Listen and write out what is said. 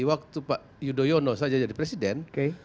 waktu pak yudhoyono saja jadi presiden